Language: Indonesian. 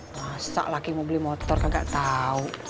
masa laki mau beli motor gak tau